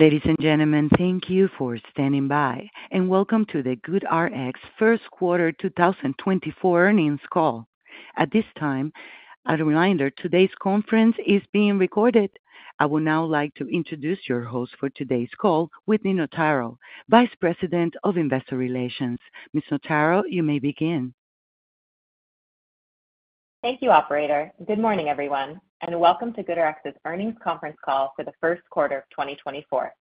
Ladies and gentlemen, thank you for standing by, and welcome to the GoodRx First Quarter 2024 earnings call. At this time, a reminder: today's conference is being recorded. I would now like to introduce your host for today's call, Whitney Notaro, Vice President of Investor Relations. Ms. Notaro, you may begin. Thank you, Operator. Good morning, everyone, and welcome to GoodRx's earnings conference call for the first quarter of 2024.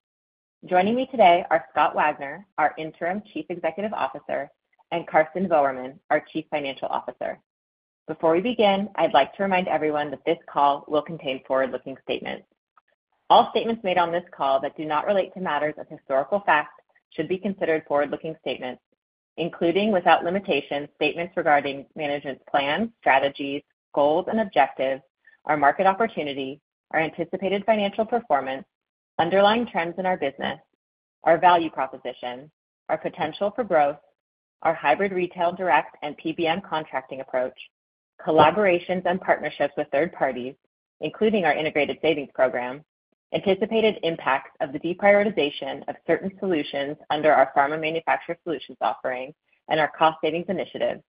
Joining me today are Scott Wagner, our Interim Chief Executive Officer, and Karsten Voermann, our Chief Financial Officer. Before we begin, I'd like to remind everyone that this call will contain forward-looking statements. All statements made on this call that do not relate to matters of historical fact should be considered forward-looking statements, including without limitation statements regarding management's plans, strategies, goals and objectives, our market opportunity, our anticipated financial performance, underlying trends in our business, our value proposition, our potential for growth, our hybrid retail direct and PBM contracting approach, collaborations and partnerships with third parties, including our Integrated Savings Program, anticipated impacts of the deprioritization of certain solutions under our Pharma Manufacturer Solutions offering and our cost-savings initiative,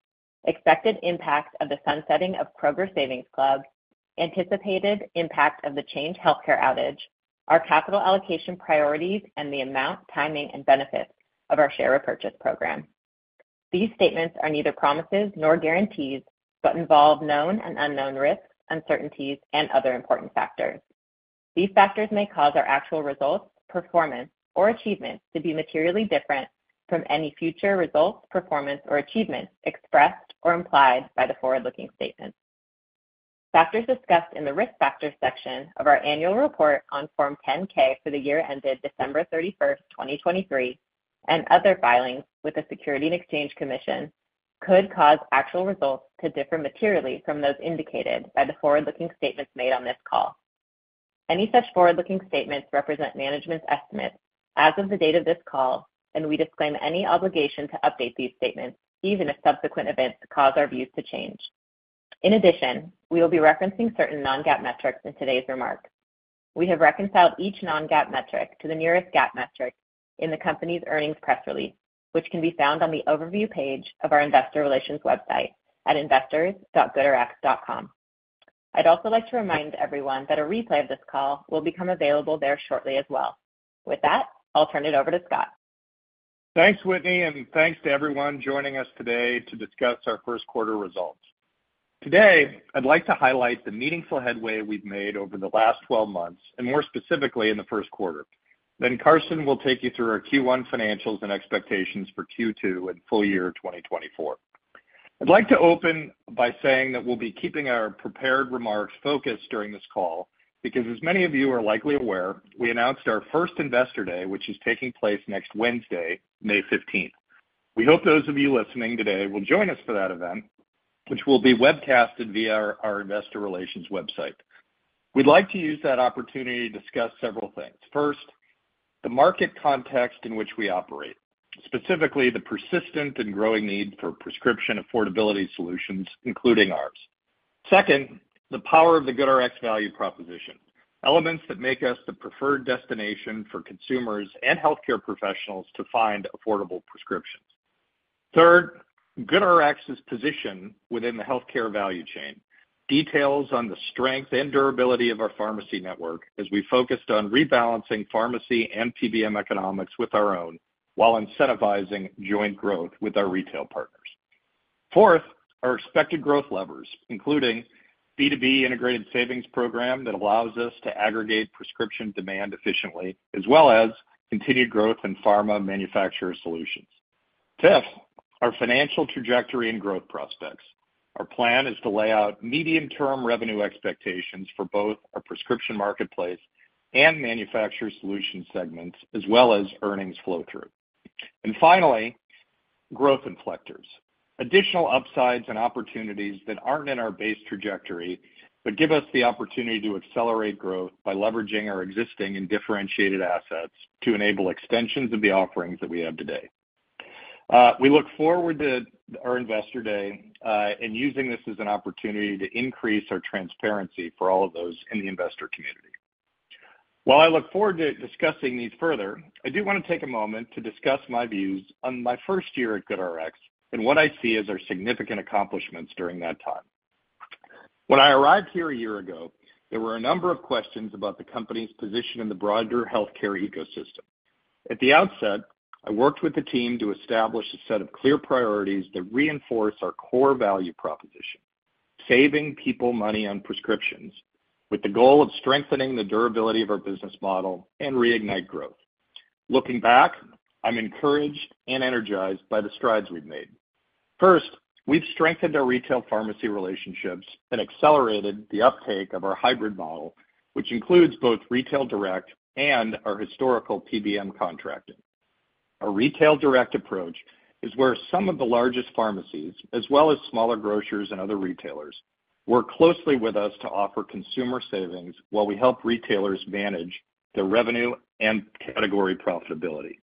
expected impacts of the sunsetting of Kroger Savings Club, anticipated impact of the Change Healthcare outage, our capital allocation priorities, and the amount, timing, and benefits of our share repurchase program. These statements are neither promises nor guarantees but involve known and unknown risks, uncertainties, and other important factors. These factors may cause our actual results, performance, or achievements to be materially different from any future results, performance, or achievements expressed or implied by the forward-looking statements. Factors discussed in the risk factors section of our annual report on Form 10-K for the year ended December 31, 2023, and other filings with the Securities and Exchange Commission could cause actual results to differ materially from those indicated by the forward-looking statements made on this call. Any such forward-looking statements represent management's estimates as of the date of this call, and we disclaim any obligation to update these statements even if subsequent events cause our views to change. In addition, we will be referencing certain non-GAAP metrics in today's remarks. We have reconciled each non-GAAP metric to the nearest GAAP metric in the company's earnings press release, which can be found on the overview page of our investor relations website at investors.goodrx.com. I'd also like to remind everyone that a replay of this call will become available there shortly as well. With that, I'll turn it over to Scott. Thanks, Whitney, and thanks to everyone joining us today to discuss our first quarter results. Today, I'd like to highlight the meaningful headway we've made over the last 12 months, and more specifically in the first quarter. Then Karsten will take you through our Q1 financials and expectations for Q2 and full year 2024. I'd like to open by saying that we'll be keeping our prepared remarks focused during this call because, as many of you are likely aware, we announced our first Investor Day, which is taking place next Wednesday, May 15. We hope those of you listening today will join us for that event, which will be webcasted via our investor relations website. We'd like to use that opportunity to discuss several things. First, the market context in which we operate, specifically the persistent and growing need for prescription affordability solutions, including ours. Second, the power of the GoodRx value proposition, elements that make us the preferred destination for consumers and healthcare professionals to find affordable prescriptions. Third, GoodRx's position within the healthcare value chain, details on the strength and durability of our pharmacy network as we focused on rebalancing pharmacy and PBM economics with our own while incentivizing joint growth with our retail partners. Fourth, our expected growth levers, including B2B integrated savings program that allows us to aggregate prescription demand efficiently, as well as continued growth in pharma manufacturer solutions. Fifth, our financial trajectory and growth prospects. Our plan is to lay out medium-term revenue expectations for both our prescription marketplace and manufacturer solution segments, as well as earnings flow-through. Finally, growth inflectors, additional upsides and opportunities that aren't in our base trajectory but give us the opportunity to accelerate growth by leveraging our existing and differentiated assets to enable extensions of the offerings that we have today. We look forward to our Investor Day and using this as an opportunity to increase our transparency for all of those in the investor community. While I look forward to discussing these further, I do want to take a moment to discuss my views on my first year at GoodRx and what I see as our significant accomplishments during that time. When I arrived here a year ago, there were a number of questions about the company's position in the broader healthcare ecosystem. At the outset, I worked with the team to establish a set of clear priorities that reinforce our core value proposition: saving people money on prescriptions, with the goal of strengthening the durability of our business model and reignite growth. Looking back, I'm encouraged and energized by the strides we've made. First, we've strengthened our retail pharmacy relationships and accelerated the uptake of our hybrid model, which includes both retail direct and our historical PBM contracting. Our retail direct approach is where some of the largest pharmacies, as well as smaller grocers and other retailers, work closely with us to offer consumer savings while we help retailers manage their revenue and category profitability.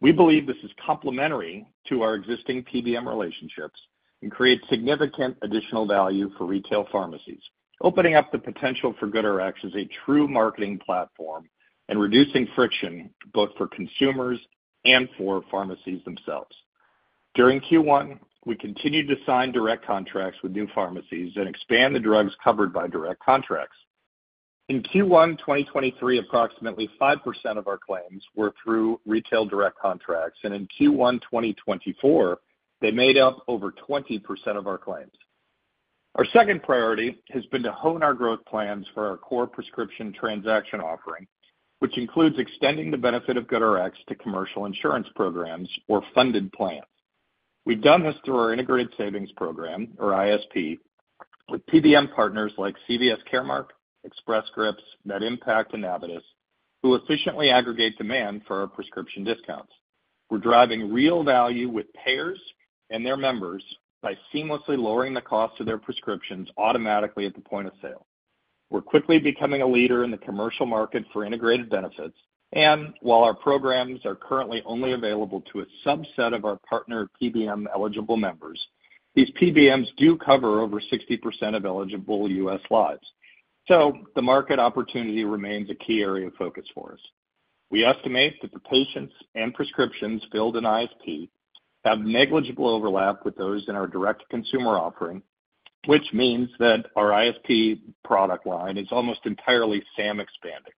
We believe this is complementary to our existing PBM relationships and creates significant additional value for retail pharmacies, opening up the potential for GoodRx as a true marketing platform and reducing friction both for consumers and for pharmacies themselves. During Q1, we continued to sign direct contracts with new pharmacies and expand the drugs covered by direct contracts. In Q1 2023, approximately 5% of our claims were through retail direct contracts, and in Q1 2024, they made up over 20% of our claims. Our second priority has been to hone our growth plans for our core prescription transaction offering, which includes extending the benefit of GoodRx to commercial insurance programs or funded plans. We've done this through our integrated savings program, or ISP, with PBM partners like CVS Caremark, Express Scripts, MedImpact, and Navitus, who efficiently aggregate demand for our prescription discounts. We're driving real value with payers and their members by seamlessly lowering the cost of their prescriptions automatically at the point of sale. We're quickly becoming a leader in the commercial market for integrated benefits, and while our programs are currently only available to a subset of our partner PBM eligible members, these PBMs do cover over 60% of eligible U.S. lives. So the market opportunity remains a key area of focus for us. We estimate that the patients and prescriptions filled in ISP have negligible overlap with those in our direct consumer offering, which means that our ISP product line is almost entirely SAM expanding.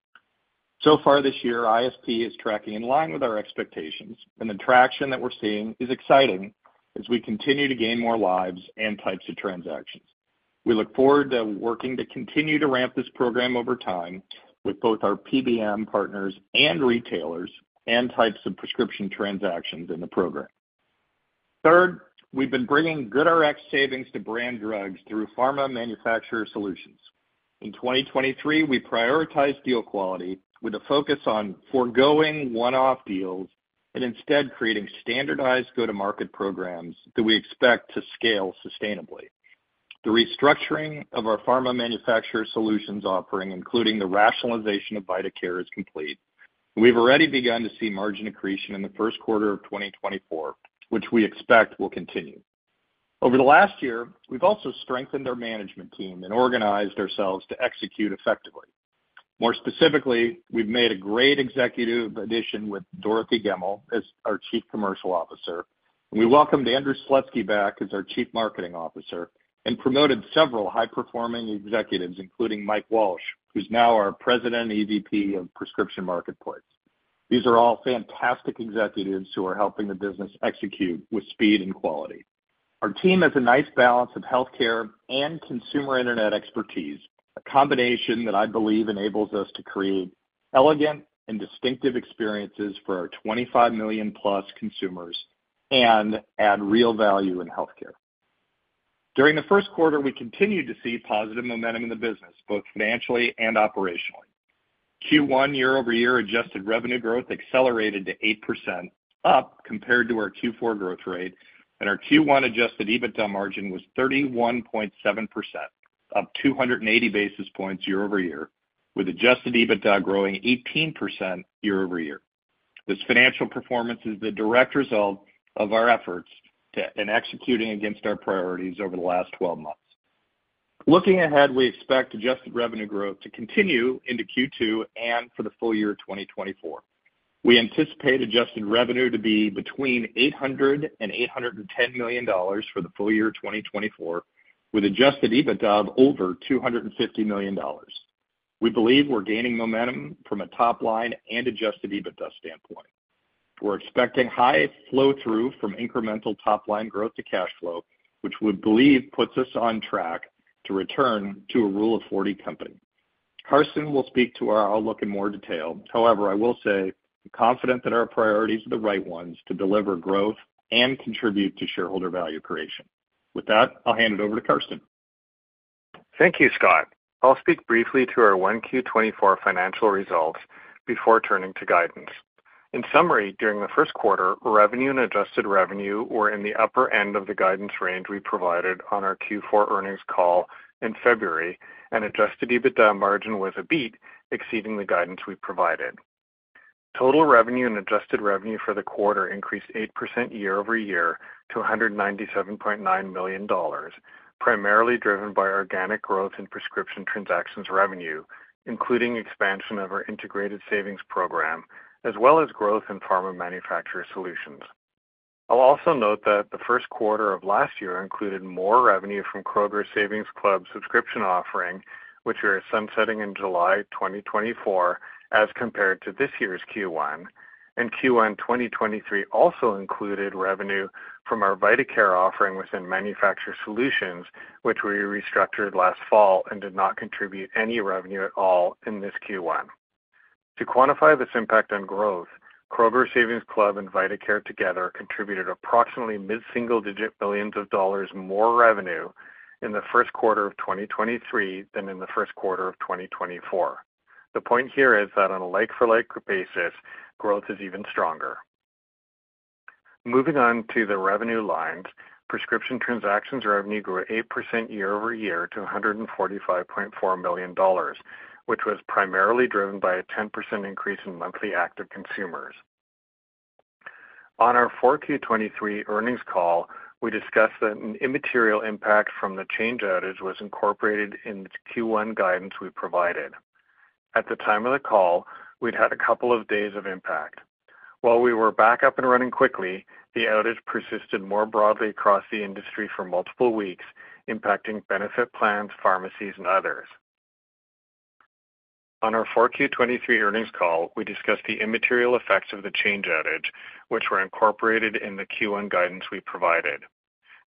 So far this year, ISP is tracking in line with our expectations, and the traction that we're seeing is exciting as we continue to gain more lives and types of transactions. We look forward to working to continue to ramp this program over time with both our PBM partners and retailers and types of prescription transactions in the program. Third, we've been bringing GoodRx savings to brand drugs through Pharma Manufacturer Solutions. In 2023, we prioritized deal quality with a focus on forgoing one-off deals and instead creating standardized go-to-market programs that we expect to scale sustainably. The restructuring of our Pharma Manufacturer Solutions offering, including the rationalization of VitaCare, is complete. We've already begun to see margin accretion in the first quarter of 2024, which we expect will continue. Over the last year, we've also strengthened our management team and organized ourselves to execute effectively. More specifically, we've made a great executive addition with Dorothy Gemmell as our Chief Commercial Officer. We welcomed Andrew Slutsky back as our Chief Marketing Officer and promoted several high-performing executives, including Mike Walsh, who's now our President and EVP of Prescription Marketplace. These are all fantastic executives who are helping the business execute with speed and quality. Our team has a nice balance of healthcare and consumer internet expertise, a combination that I believe enables us to create elegant and distinctive experiences for our 25 million-plus consumers and add real value in healthcare. During the first quarter, we continued to see positive momentum in the business, both financially and operationally. Q1, year over year, Adjusted Revenue growth accelerated to 8%, up compared to our Q4 growth rate, and our Q1 Adjusted EBITDA margin was 31.7%, up 280 basis points year over year, with Adjusted EBITDA growing 18% year over year. This financial performance is the direct result of our efforts and executing against our priorities over the last 12 months. Looking ahead, we expect Adjusted Revenue growth to continue into Q2 and for the full year 2024. We anticipate Adjusted Revenue to be between $800-$810 million for the full year 2024, with Adjusted EBITDA of over $250 million. We believe we're gaining momentum from a top-line and Adjusted EBITDA standpoint. We're expecting high flow-through from incremental top-line growth to cash flow, which we believe puts us on track to return to a Rule of 40 company. Karsten will speak to our outlook in more detail. However, I will say I'm confident that our priorities are the right ones to deliver growth and contribute to shareholder value creation. With that, I'll hand it over to Karsten. Thank you, Scott. I'll speak briefly to our 1Q 2024 financial results before turning to guidance. In summary, during the first quarter, revenue and adjusted revenue were in the upper end of the guidance range we provided on our Q4 earnings call in February, and adjusted EBITDA margin was a beat exceeding the guidance we provided. Total revenue and adjusted revenue for the quarter increased 8% year-over-year to $197.9 million, primarily driven by organic growth in prescription transactions revenue, including expansion of our Integrated Savings Program, as well as growth in Pharma Manufacturer Solutions. I'll also note that the first quarter of last year included more revenue from Kroger Savings Club's subscription offering, which was sunsetting in July 2024 as compared to this year's Q1. Q1 2023 also included revenue from our VitaCare offering within manufacturer solutions, which we restructured last fall and did not contribute any revenue at all in this Q1. To quantify this impact on growth, Kroger Savings Club and VitaCare together contributed approximately mid-single-digit-billions of dollars more revenue in the first quarter of 2023 than in the first quarter of 2024. The point here is that on a like-for-like basis, growth is even stronger. Moving on to the revenue lines, prescription transactions revenue grew 8% year-over-year to $145.4 million, which was primarily driven by a 10% increase in monthly active consumers. On our 4Q23 earnings call, we discussed that an immaterial impact from the Change Healthcare outage was incorporated in the Q1 guidance we provided. At the time of the call, we'd had a couple of days of impact. While we were back up and running quickly, the outage persisted more broadly across the industry for multiple weeks, impacting benefit plans, pharmacies, and others. On our Q4 2023 earnings call, we discussed the immaterial effects of the Change Healthcare outage, which were incorporated in the Q1 guidance we provided.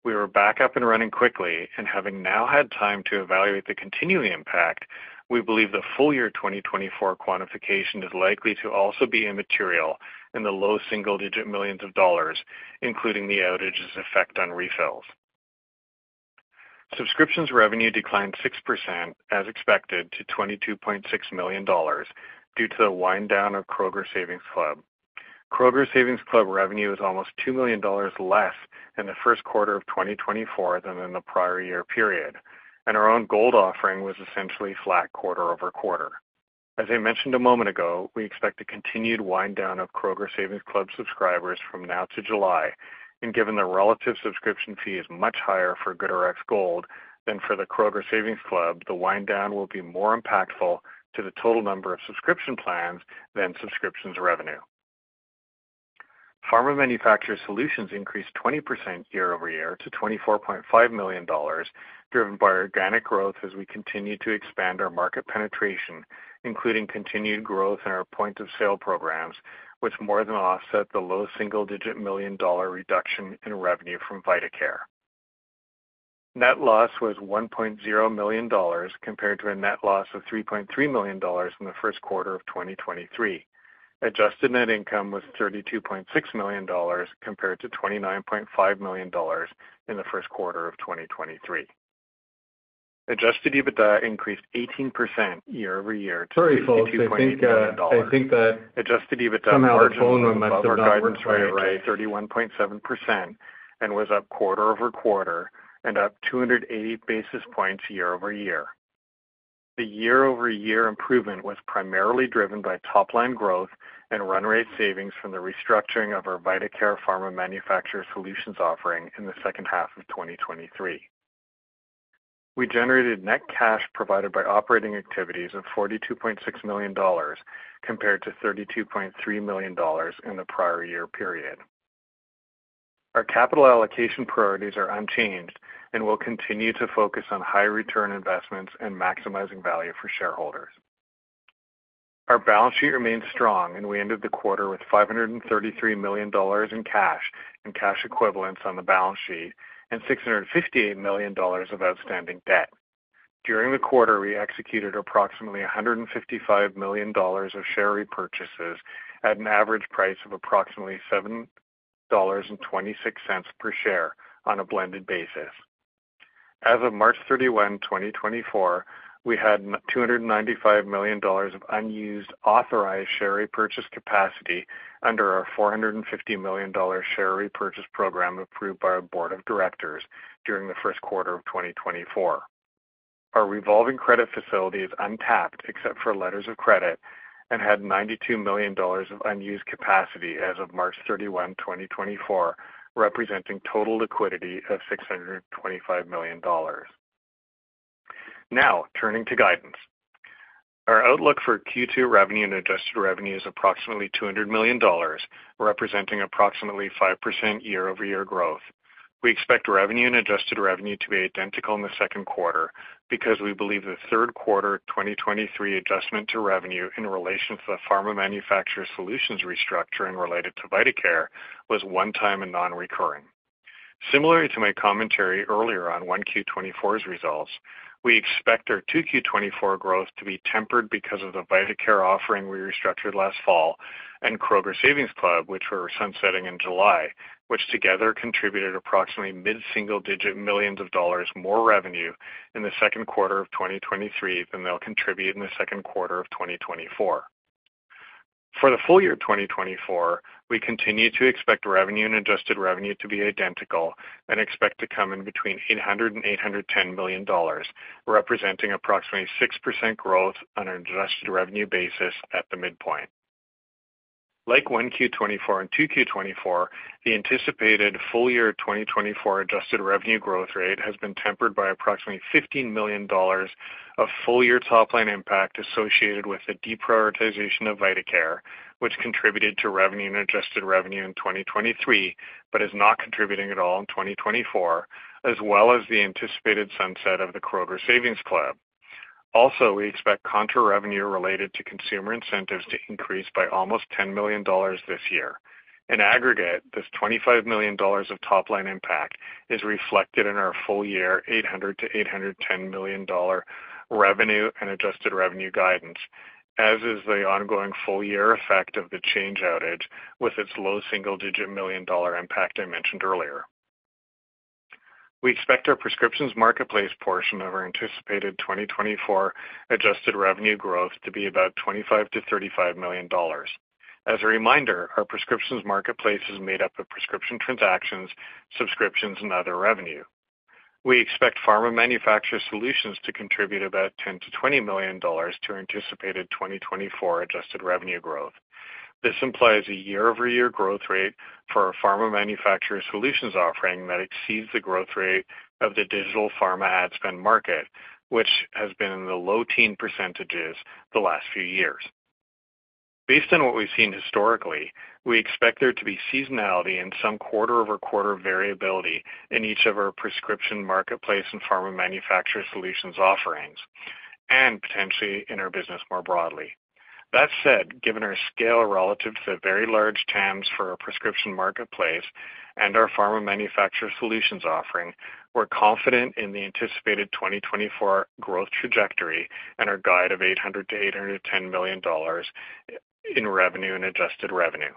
We were back up and running quickly, and having now had time to evaluate the continuing impact, we believe the full year 2024 quantification is likely to also be immaterial in the low single-digit millions of dollars, including the outage's effect on refills. Subscriptions revenue declined 6%, as expected, to $22.6 million due to the wind-down of Kroger Savings Club. Kroger Savings Club revenue is almost $2 million less in the first quarter of 2024 than in the prior year period, and our own Gold offering was essentially flat quarter-over-quarter. As I mentioned a moment ago, we expect a continued wind-down of Kroger Savings Club subscribers from now to July. Given the relative subscription fee is much higher for GoodRx Gold than for the Kroger Savings Club, the wind-down will be more impactful to the total number of subscription plans than subscriptions revenue. Pharma Manufacturer Solutions increased 20% year-over-year to $24.5 million, driven by organic growth as we continue to expand our market penetration, including continued growth in our point-of-sale programs, which more than offset the low single-digit $ million reduction in revenue from VitaCare. Net loss was $1.0 million compared to a net loss of $3.3 million in the first quarter of 2023. Adjusted net income was $32.6 million compared to $29.5 million in the first quarter of 2023. Adjusted EBITDA increased 18% year-over-year to $22.8 million. Sorry, folks. I think that. I think that. I'm on the phone with my subordinates. I think that. Right. 31.7% and was up quarter-over-quarter and up 280 basis points year-over-year. The year-over-year improvement was primarily driven by top-line growth and run-rate savings from the restructuring of our VitaCare Pharma Manufacturer Solutions offering in the second half of 2023. We generated net cash provided by operating activities of $42.6 million compared to $32.3 million in the prior year period. Our capital allocation priorities are unchanged and will continue to focus on high-return investments and maximizing value for shareholders. Our balance sheet remains strong, and we ended the quarter with $533 million in cash and cash equivalents on the balance sheet and $658 million of outstanding debt. During the quarter, we executed approximately $155 million of share repurchases at an average price of approximately $7.26 per share on a blended basis. As of March 31, 2024, we had $295 million of unused authorized share repurchase capacity under our $450 million share repurchase program approved by our board of directors during the first quarter of 2024. Our revolving credit facility is untapped except for letters of credit and had $92 million of unused capacity as of March 31, 2024, representing total liquidity of $625 million. Now, turning to guidance. Our outlook for Q2 revenue and adjusted revenue is approximately $200 million, representing approximately 5% year-over-year growth. We expect revenue and adjusted revenue to be identical in the second quarter because we believe the third quarter 2023 adjustment to revenue in relation to the Pharma Manufacturer Solutions restructuring related to VitaCare was one-time and non-recurring. Similar to my commentary earlier on 1Q24's results, we expect our 2Q24 growth to be tempered because of the VitaCare offering we restructured last fall and Kroger Savings Club, which were sunsetting in July, which together contributed approximately mid-single-digit $ million more revenue in the second quarter of 2023 than they'll contribute in the second quarter of 2024. For the full year 2024, we continue to expect revenue and adjusted revenue to be identical and expect to come in between $800-$810 million, representing approximately 6% growth on an adjusted revenue basis at the midpoint. Like 1Q24 and 2Q24, the anticipated full-year 2024 adjusted revenue growth rate has been tempered by approximately $15 million of full-year top-line impact associated with the deprioritization of VitaCare, which contributed to revenue and adjusted revenue in 2023 but is not contributing at all in 2024, as well as the anticipated sunset of the Kroger Savings Club. Also, we expect contra-revenue related to consumer incentives to increase by almost $10 million this year. In aggregate, this $25 million of top-line impact is reflected in our full-year $800-$810 million revenue and adjusted revenue guidance, as is the ongoing full-year effect of the Change Healthcare outage with its low single-digit million dollar impact I mentioned earlier. We expect our prescriptions marketplace portion of our anticipated 2024 adjusted revenue growth to be about $25-$35 million. As a reminder, our Prescriptions Marketplace is made up of prescription transactions, subscriptions, and other revenue. We expect Pharma Manufacturer Solutions to contribute about $10-$20 million to anticipated 2024 Adjusted Revenue growth. This implies a year-over-year growth rate for our Pharma Manufacturer Solutions offering that exceeds the growth rate of the digital pharma ad spend market, which has been in the low-teens % the last few years. Based on what we've seen historically, we expect there to be seasonality and some quarter-over-quarter variability in each of our Prescriptions Marketplace and Pharma Manufacturer Solutions offerings, and potentially in our business more broadly. That said, given our scale relative to the very large TAMs for our Prescriptions Marketplace and our Pharma Manufacturer Solutions offering, we're confident in the anticipated 2024 growth trajectory and our guide of $800-$810 million in revenue and Adjusted Revenue.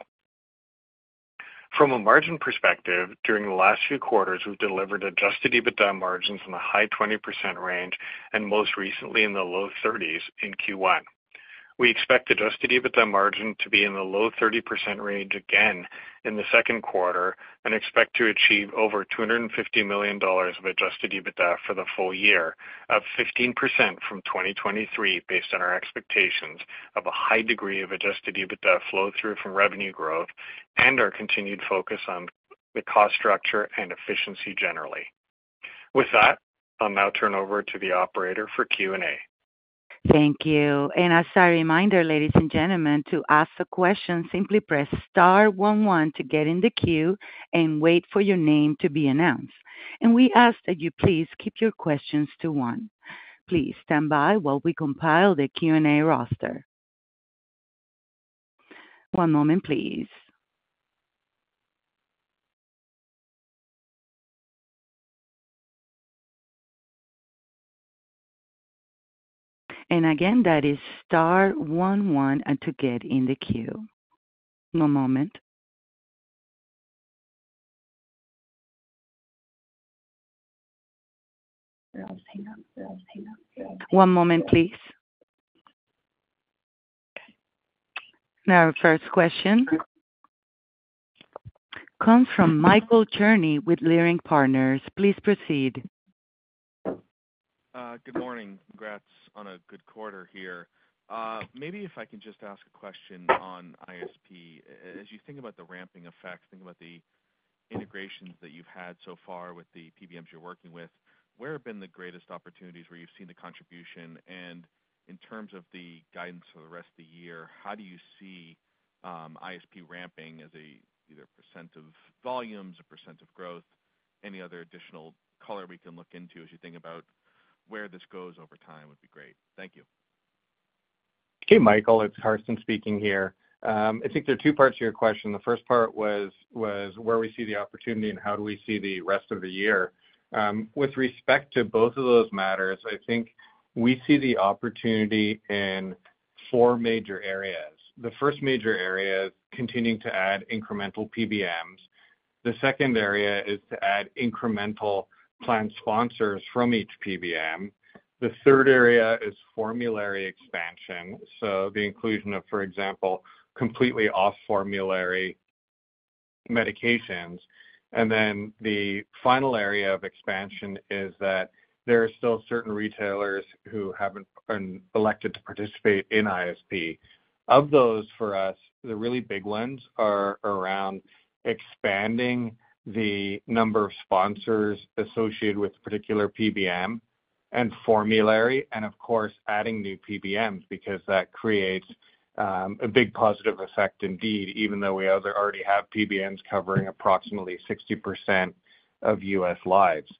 From a margin perspective, during the last few quarters, we've delivered Adjusted EBITDA margins in the high 20% range and most recently in the low 30s in Q1. We expect Adjusted EBITDA margin to be in the low 30% range again in the second quarter and expect to achieve over $250 million of Adjusted EBITDA for the full year, up 15% from 2023 based on our expectations of a high degree of Adjusted EBITDA flow-through from revenue growth and our continued focus on the cost structure and efficiency generally. With that, I'll now turn over to the operator for Q&A. Thank you. And as a reminder, ladies and gentlemen, to ask a question, simply press STAR 11 to get in the queue and wait for your name to be announced. And we ask that you please keep your questions to one. Please stand by while we compile the Q&A roster. One moment, please. And again, that is STAR 11 to get in the queue. One moment. One moment, please. Now, our first question comes from Michael Cherny with Leerink Partners. Please proceed. Good morning. Congrats on a good quarter here. Maybe if I can just ask a question on ISP. As you think about the ramping effects, think about the integrations that you've had so far with the PBMs you're working with, where have been the greatest opportunities where you've seen the contribution? In terms of the guidance for the rest of the year, how do you see ISP ramping as either % of volumes, a % of growth, any other additional color we can look into as you think about where this goes over time would be great. Thank you. Hey, Michael. It's Karsten speaking here. I think there are two parts to your question. The first part was where we see the opportunity and how do we see the rest of the year. With respect to both of those matters, I think we see the opportunity in four major areas. The first major area is continuing to add incremental PBMs. The second area is to add incremental plan sponsors from each PBM. The third area is formulary expansion, so the inclusion of, for example, completely off-formulary medications. And then the final area of expansion is that there are still certain retailers who haven't elected to participate in ISP. Of those, for us, the really big ones are around expanding the number of sponsors associated with a particular PBM and formulary and, of course, adding new PBMs because that creates a big positive effect indeed, even though we already have PBMs covering approximately 60% of U.S. lives.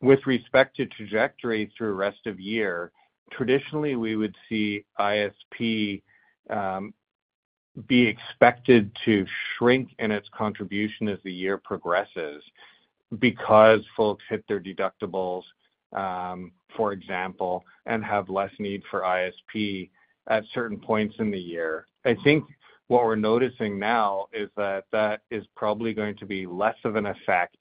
With respect to trajectory through rest of year, traditionally, we would see ISP be expected to shrink in its contribution as the year progresses because folks hit their deductibles, for example, and have less need for ISP at certain points in the year. I think what we're noticing now is that that is probably going to be less of an effect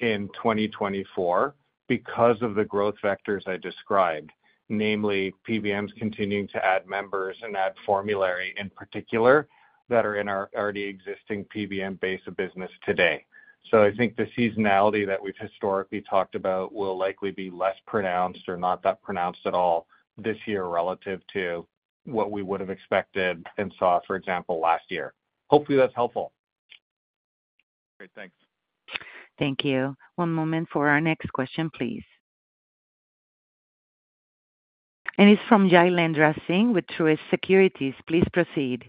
in 2024 because of the growth vectors I described, namely PBMs continuing to add members and add formulary in particular that are in our already existing PBM base of business today. I think the seasonality that we've historically talked about will likely be less pronounced or not that pronounced at all this year relative to what we would have expected and saw, for example, last year. Hopefully, that's helpful. Great. Thanks. Thank you. One moment for our next question, please. It's from Jailendra Singh with Truist Securities. Please proceed.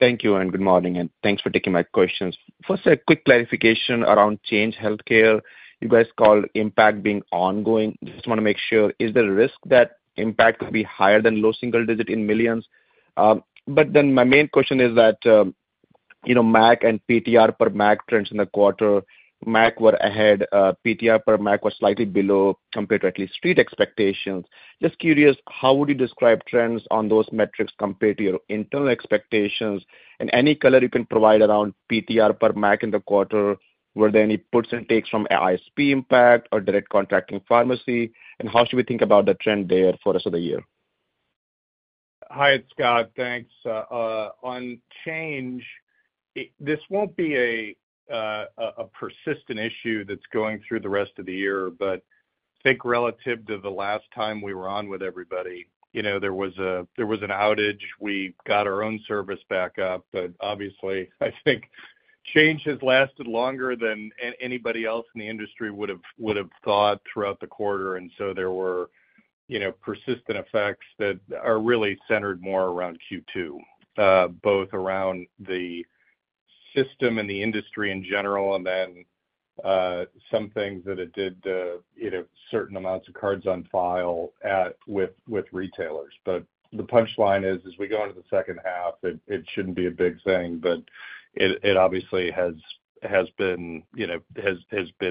Thank you, and good morning. And thanks for taking my questions. First, a quick clarification around Change Healthcare. You guys called impact being ongoing. Just want to make sure, is there a risk that impact could be higher than low single-digit millions? But then my main question is that MAC and PTR per MAC trends in the quarter. MAC were ahead. PTR per MAC was slightly below compared to at least street expectations. Just curious, how would you describe trends on those metrics compared to your internal expectations? And any color you can provide around PTR per MAC in the quarter, were there any puts and takes from ISP impact or direct contracting pharmacy? And how should we think about the trend there for the rest of the year? Hi, Scott. Thanks. On Change Healthcare, this won't be a persistent issue that's going through the rest of the year, but I think relative to the last time we were on with everybody, there was an outage. We got our own service back up. But obviously, I think Change Healthcare has lasted longer than anybody else in the industry would have thought throughout the quarter. And so there were persistent effects that are really centered more around Q2, both around the system and the industry in general and then some things that it did certain amounts of cards on file with retailers. But the punchline is, as we go into the second half, it shouldn't be a big thing, but it obviously has been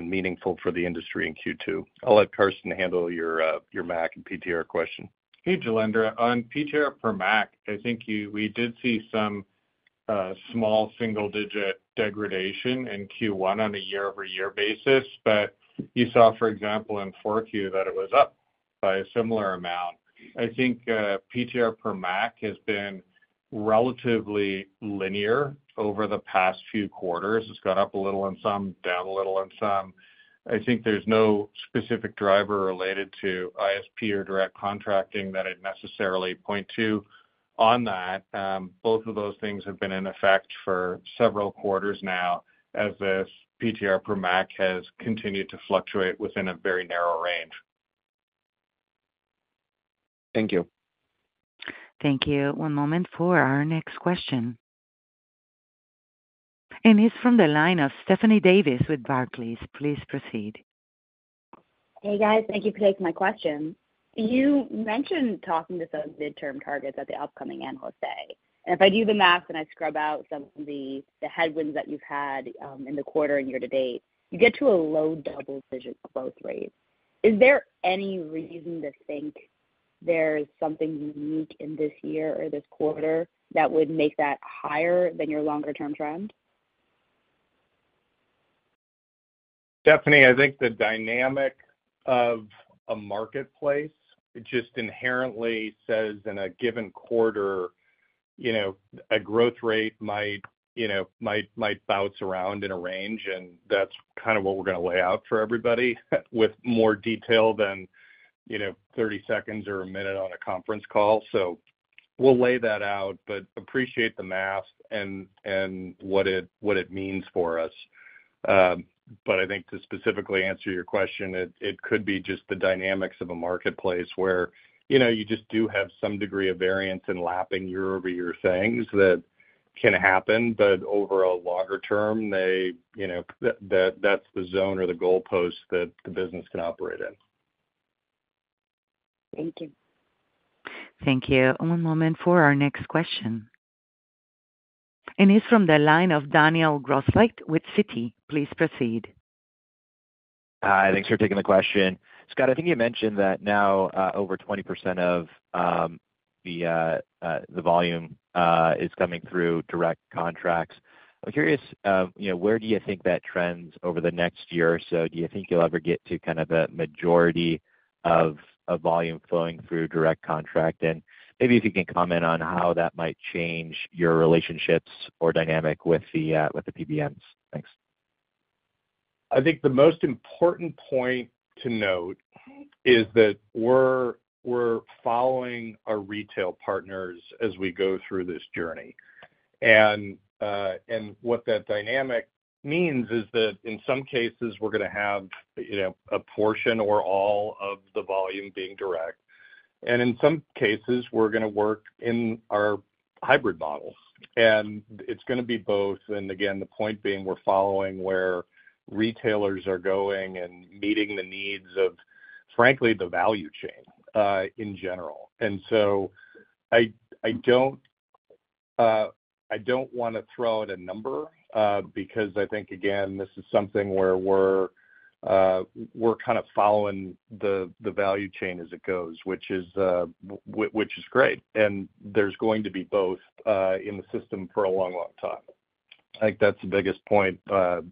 meaningful for the industry in Q2. I'll let Karsten handle your MAC and PTR question. Hey, Jailendra. On PTR per MAC, I think we did see some small single-digit degradation in Q1 on a year-over-year basis. But you saw, for example, in 4Q that it was up by a similar amount. I think PTR per MAC has been relatively linear over the past few quarters. It's got up a little in some, down a little in some. I think there's no specific driver related to ISP or direct contracting that I'd necessarily point to on that. Both of those things have been in effect for several quarters now as this PTR per MAC has continued to fluctuate within a very narrow range. Thank you. Thank you. One moment for our next question. It's from the line of Stephanie Davis with Barclays. Please proceed. Hey, guys. Thank you for taking my question. You mentioned talking to some mid-term targets at the upcoming Analyst Day. If I do the math and I scrub out some of the headwinds that you've had in the quarter and year to date, you get to a low double-digit growth rate. Is there any reason to think there's something unique in this year or this quarter that would make that higher than your longer-term trend? Stephanie, I think the dynamic of a marketplace, it just inherently says in a given quarter, a growth rate might bounce around in a range. That's kind of what we're going to lay out for everybody with more detail than 30 seconds or a minute on a conference call. We'll lay that out, but appreciate the math and what it means for us. I think to specifically answer your question, it could be just the dynamics of a marketplace where you just do have some degree of variance in lapping year-over-year things that can happen. Over a longer term, that's the zone or the goalpost that the business can operate in. Thank you. Thank you. One moment for our next question. It's from the line of Daniel Grosslight with Citi. Please proceed. Thanks for taking the question. Scott, I think you mentioned that now over 20% of the volume is coming through direct contracts. I'm curious, where do you think that trends over the next year or so? Do you think you'll ever get to kind of a majority of volume flowing through direct contract? And maybe if you can comment on how that might change your relationships or dynamic with the PBMs. Thanks. I think the most important point to note is that we're following our retail partners as we go through this journey. What that dynamic means is that in some cases, we're going to have a portion or all of the volume being direct. In some cases, we're going to work in our hybrid model. It's going to be both. Again, the point being, we're following where retailers are going and meeting the needs of, frankly, the value chain in general. So I don't want to throw out a number because I think, again, this is something where we're kind of following the value chain as it goes, which is great. There's going to be both in the system for a long, long time. I think that's the biggest point to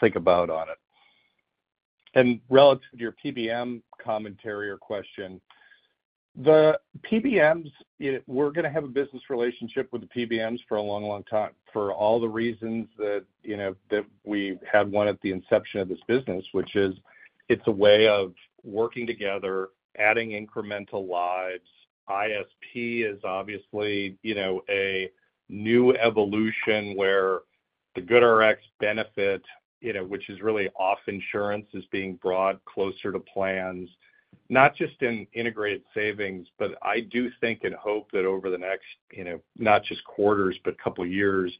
think about on it. Relative to your PBM commentary or question, we're going to have a business relationship with the PBMs for a long, long time for all the reasons that we had one at the inception of this business, which is it's a way of working together, adding incremental lives. ISP is obviously a new evolution where the GoodRx benefit, which is really off-insurance, is being brought closer to plans, not just in integrated savings. But I do think and hope that over the next not just quarters, but a couple of years,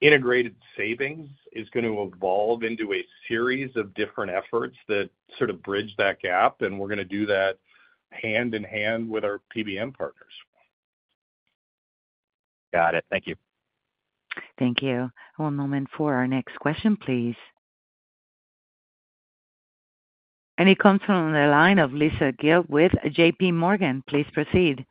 integrated savings is going to evolve into a series of different efforts that sort of bridge that gap. We're going to do that hand in hand with our PBM partners. Got it. Thank you. Thank you. One moment for our next question, please. It comes from the line of Lisa Gill with JPMorgan. Please proceed.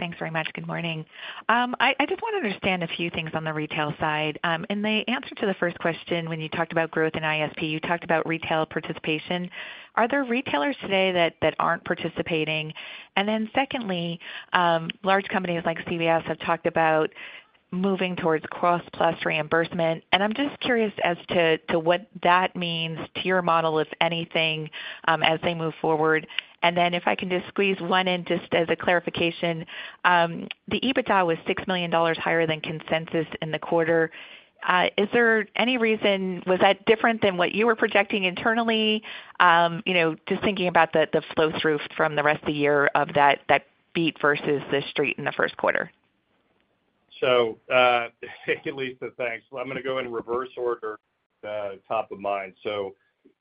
Thanks very much. Good morning. I just want to understand a few things on the retail side. In the answer to the first question, when you talked about growth in ISP, you talked about retail participation. Are there retailers today that aren't participating? And then secondly, large companies like CVS have talked about moving towards cost-plus reimbursement. And I'm just curious as to what that means to your model, if anything, as they move forward. And then if I can just squeeze one in just as a clarification, the EBITDA was $6 million higher than consensus in the quarter. Is there any reason was that different than what you were projecting internally? Just thinking about the flow-through from the rest of the year of that beat versus the street in the first quarter. So thank you, Lisa. Thanks. Well, I'm going to go in reverse order top of mind. So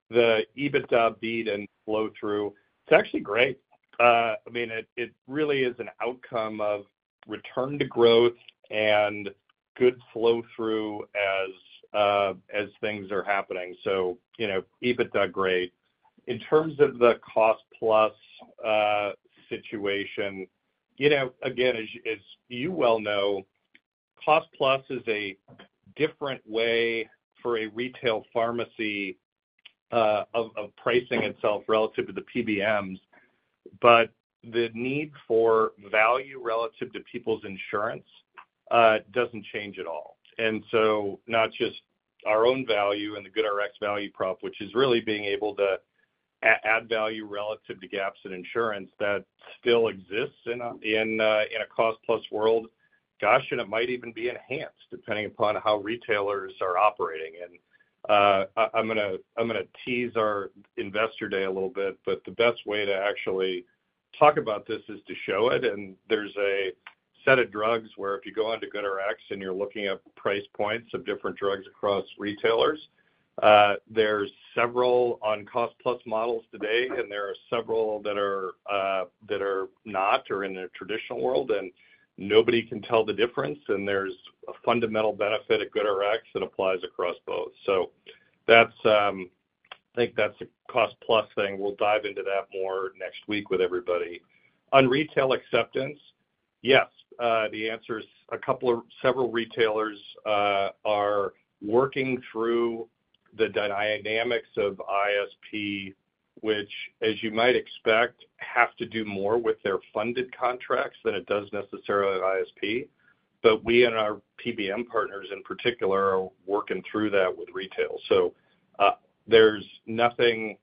the EBITDA beat and flow-through, it's actually great. I mean, it really is an outcome of return to growth and good flow-through as things are happening. So EBITDA great. In terms of the cost-plus situation, again, as you well know, cost-plus is a different way for a retail pharmacy of pricing itself relative to the PBMs. But the need for value relative to people's insurance doesn't change at all. And so not just our own value and the GoodRx value prop, which is really being able to add value relative to gaps in insurance that still exists in a cost-plus world. Gosh, and it might even be enhanced depending upon how retailers are operating. And I'm going to tease our investor day a little bit. But the best way to actually talk about this is to show it. And there's a set of drugs where if you go on to GoodRx and you're looking at price points of different drugs across retailers, there's several on cost-plus models today. And there are several that are not or in the traditional world. And nobody can tell the difference. And there's a fundamental benefit at GoodRx that applies across both. So I think that's a cost-plus thing. We'll dive into that more next week with everybody. On retail acceptance, yes, the answer is several retailers are working through the dynamics of ISP, which, as you might expect, have to do more with their funded contracts than it does necessarily with ISP. But we and our PBM partners in particular are working through that with retail. So there's nothing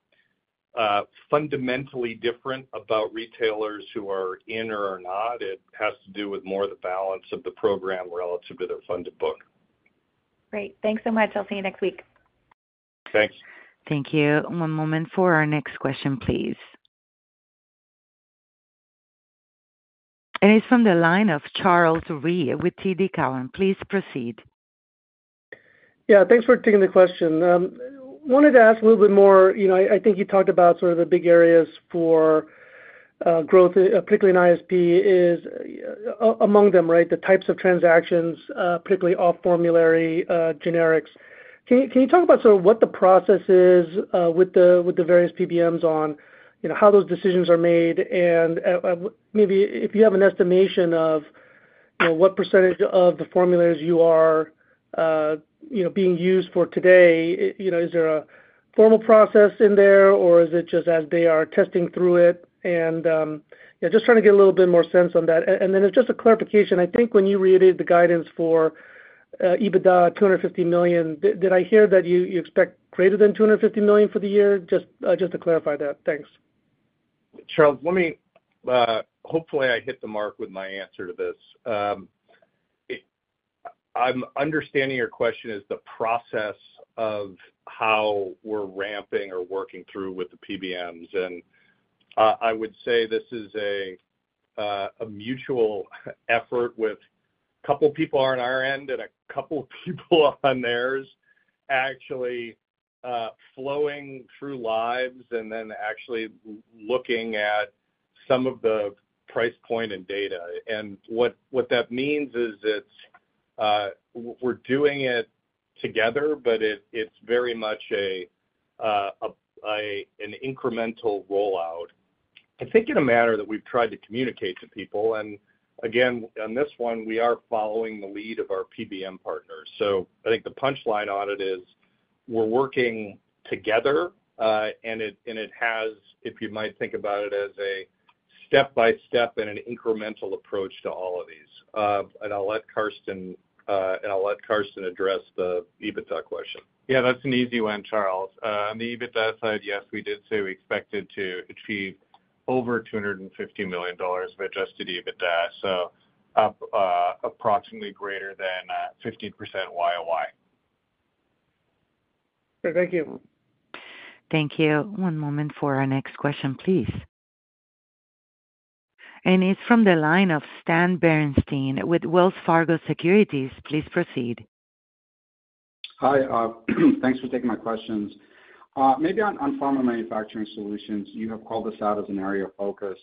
fundamentally different about retailers who are in or are not. It has to do with more the balance of the program relative to their funded book. Great. Thanks so much. I'll see you next week. Thanks. Thank you. One moment for our next question, please. It's from the line of Charles Rhyee with TD Cowen. Please proceed. Yeah. Thanks for taking the question. Wanted to ask a little bit more. I think you talked about sort of the big areas for growth, particularly in ISP, among them, right, the types of transactions, particularly off-formulary generics. Can you talk about sort of what the process is with the various PBMs on how those decisions are made? And maybe if you have an estimation of what percentage of the formularies you are being used for today, is there a formal process in there, or is it just as they are testing through it? And just trying to get a little bit more sense on that. And then just a clarification, I think when you reiterated the guidance for EBITDA $250 million, did I hear that you expect greater than $250 million for the year? Just to clarify that. Thanks. Charles, hopefully, I hit the mark with my answer to this. I'm understanding your question is the process of how we're ramping or working through with the PBMs. And I would say this is a mutual effort with a couple of people on our end and a couple of people on theirs actually flowing through lives and then actually looking at some of the price point and data. And what that means is we're doing it together, but it's very much an incremental rollout, I think, in a manner that we've tried to communicate to people. And again, on this one, we are following the lead of our PBM partners. So I think the punchline on it is we're working together. And it has, if you might think about it, as a step-by-step and an incremental approach to all of these. And I'll let Karsten address the EBITDA question. Yeah. That's an easy one, Charles. On the EBITDA side, yes, we did say we expected to achieve over $250 million of adjusted EBITDA, so approximately greater than 15% YOY. Great. Thank you. Thank you. One moment for our next question, please. And it's from the line of Stan Berenshteyn with Wells Fargo Securities. Please proceed. Hi. Thanks for taking my questions. Maybe on Pharma Manufacturer Solutions, you have called this out as an area of focus.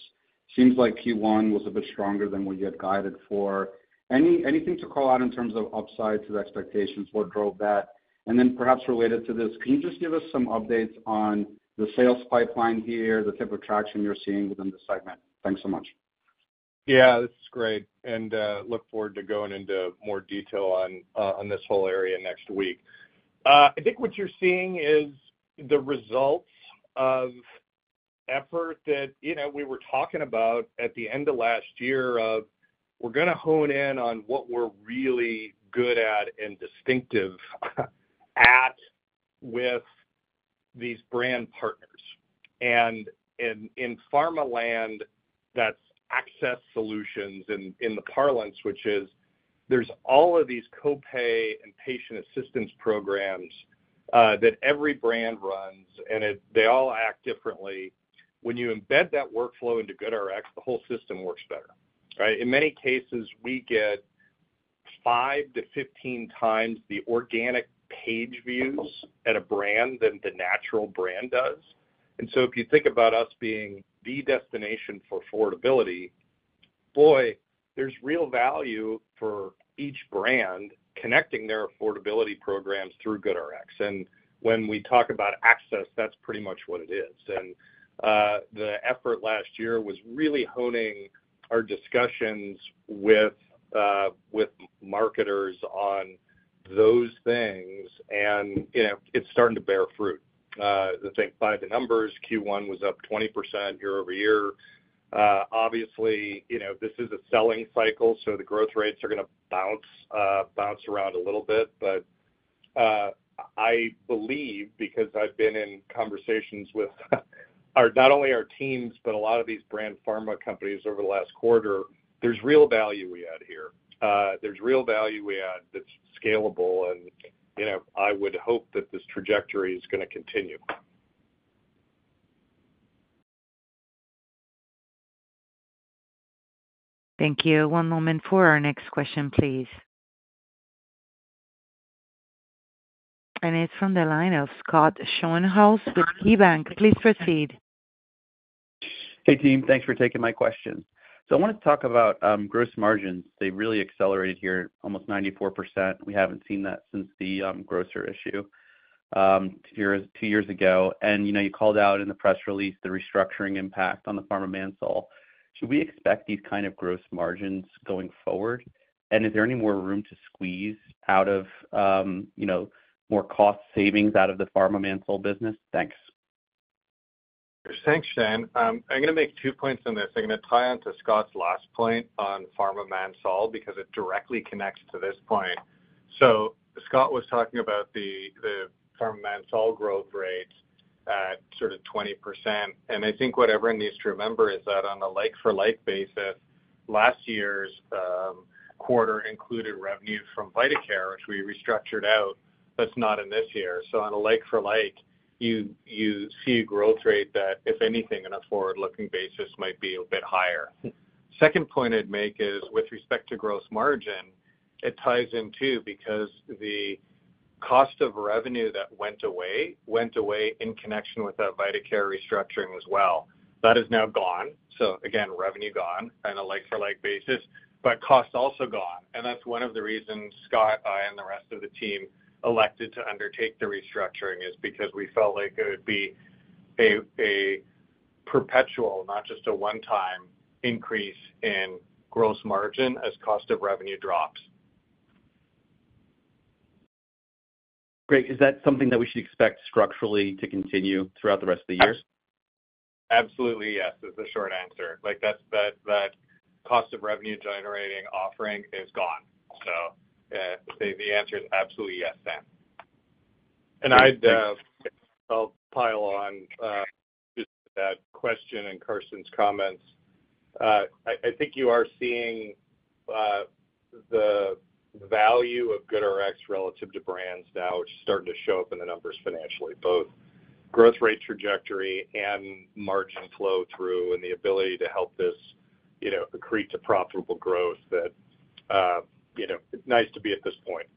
Seems like Q1 was a bit stronger than what you had guided for. Anything to call out in terms of upside to the expectations? What drove that? And then perhaps related to this, can you just give us some updates on the sales pipeline here, the type of traction you're seeing within the segment? Thanks so much. Yeah. This is great. And look forward to going into more detail on this whole area next week. I think what you're seeing is the results of effort that we were talking about at the end of last year of we're going to hone in on what we're really good at and distinctive at with these brand partners. And in Pharmaland, that's access solutions in the parlance, which is there's all of these copay and patient assistance programs that every brand runs, and they all act differently. When you embed that workflow into GoodRx, the whole system works better, right? In many cases, we get 5-15 times the organic page views at a brand than the natural brand does. And so if you think about us being the destination for affordability, boy, there's real value for each brand connecting their affordability programs through GoodRx. And when we talk about access, that's pretty much what it is. And the effort last year was really honing our discussions with marketers on those things. And it's starting to bear fruit. To think by the numbers, Q1 was up 20% year-over-year. Obviously, this is a selling cycle, so the growth rates are going to bounce around a little bit. But I believe, because I've been in conversations with not only our teams, but a lot of these brand pharma companies over the last quarter, there's real value we add here. There's real value we add that's scalable. And I would hope that this trajectory is going to continue. Thank you. One moment for our next question, please. It's from the line of Scott Schoenhaus with KeyBanc Capital Markets. Please proceed. Hey, team. Thanks for taking my question. So I want to talk about gross margins. They really accelerated here almost 94%. We haven't seen that since the Kroger issue two years ago. And you called out in the press release the restructuring impact on the Pharma Manufacturer Solutions. Should we expect these kind of gross margins going forward? And is there any more room to squeeze out of more cost savings out of the Pharma Manufacturer Solutions business? Thanks. Thanks, S. I'm going to make two points on this. I'm going to tie on to Scott's last point on Pharma Manufacturer Solutions because it directly connects to this point. So Scott was talking about the Pharma Manufacturer Solutions growth rates at sort of 20%. And I think what everyone needs to remember is that on a like-for-like basis, last year's quarter included revenue from VitaCare, which we restructured out. That's not in this year. So on a like-for-like, you see a growth rate that, if anything, on a forward-looking basis might be a bit higher. Second point I'd make is with respect to gross margin, it ties in too because the cost of revenue that went away went away in connection with that VitaCare restructuring as well. That is now gone. So again, revenue gone on a like-for-like basis, but cost also gone. That's one of the reasons Scott, I, and the rest of the team elected to undertake the restructuring is because we felt like it would be a perpetual, not just a one-time increase in gross margin as cost of revenue drops. Great. Is that something that we should expect structurally to continue throughout the rest of the year? Absolutely, yes, is the short answer. That cost of revenue-generating offering is gone. So the answer is absolutely yes then. I'd pile on that question and Karsten's comments. I think you are seeing the value of GoodRx relative to brands now, which is starting to show up in the numbers financially, both growth rate trajectory and margin flow-through and the ability to help this accrete to profitable growth that it's nice to be at this point.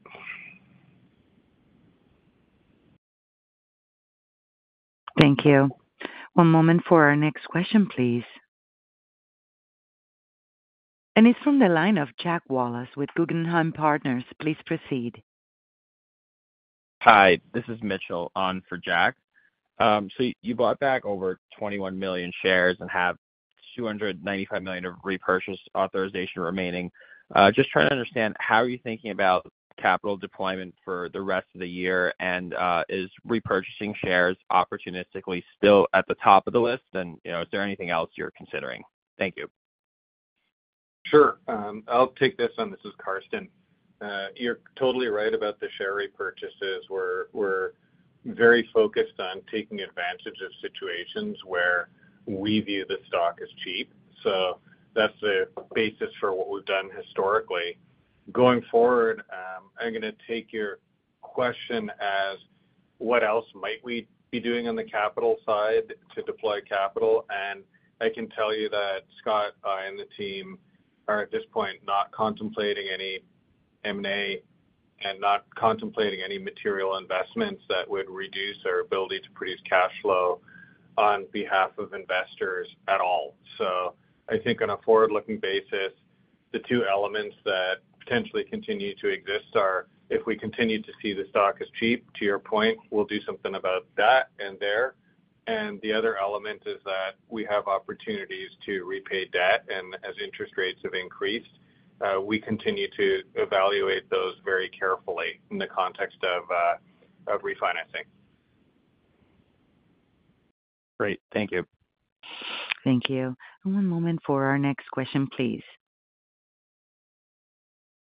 Thank you. One moment for our next question, please. It's from the line of Jack Wallace with Guggenheim Partners. Please proceed. Hi. This is Mitchell on for Jack. You bought back over 21 million shares and have 295 million of repurchase authorization remaining. Just trying to understand how are you thinking about capital deployment for the rest of the year? And is repurchasing shares opportunistically still at the top of the list? And is there anything else you're considering? Thank you. Sure. I'll take this on. This is Karsten. You're totally right about the share repurchases. We're very focused on taking advantage of situations where we view the stock as cheap. So that's the basis for what we've done historically. Going forward, I'm going to take your question as what else might we be doing on the capital side to deploy capital? And I can tell you that Scott, I, and the team are at this point not contemplating any M&A and not contemplating any material investments that would reduce our ability to produce cash flow on behalf of investors at all. So I think on a forward-looking basis, the two elements that potentially continue to exist are if we continue to see the stock as cheap, to your point, we'll do something about that and there. And the other element is that we have opportunities to repay debt. As interest rates have increased, we continue to evaluate those very carefully in the context of refinancing. Great. Thank you. Thank you. One moment for our next question, please.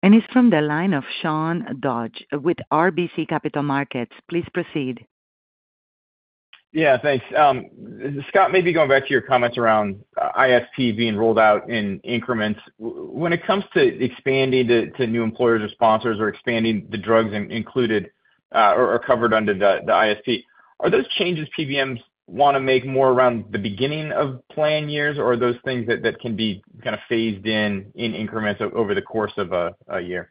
And it's from the line of Sean Dodge with RBC Capital Markets. Please proceed. Yeah. Thanks. Scott, maybe going back to your comments around ISP being rolled out in increments. When it comes to expanding to new employers or sponsors or expanding the drugs included or covered under the ISP, are those changes PBMs want to make more around the beginning of plan years, or are those things that can be kind of phased in increments over the course of a year?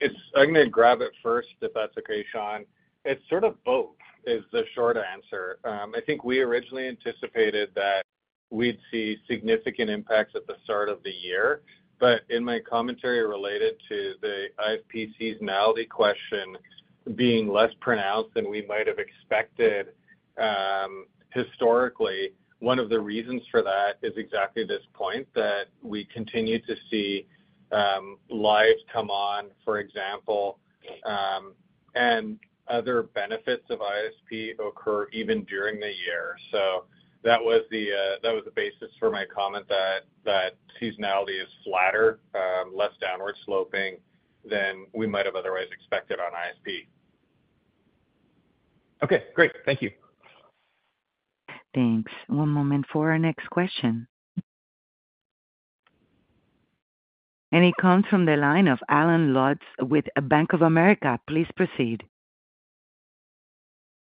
I'm going to grab it first if that's okay, Sean. It's sort of both is the short answer. I think we originally anticipated that we'd see significant impacts at the start of the year. But in my commentary related to the ISP seasonality question being less pronounced than we might have expected historically, one of the reasons for that is exactly this point, that we continue to see lives come on, for example, and other benefits of ISP occur even during the year. So that was the basis for my comment that seasonality is flatter, less downward sloping than we might have otherwise expected on ISP. Okay. Great. Thank you. Thanks. One moment for our next question. It comes from the line of Allen Lutz with Bank of America. Please proceed.